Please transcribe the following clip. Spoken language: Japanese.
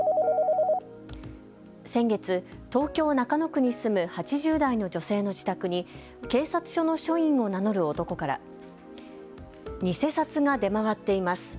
先月、東京・中野区に住む８０代の女性の自宅に警察署の署員を名乗る男から偽札が出回っています。